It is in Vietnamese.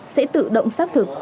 sẽ tự động xác thực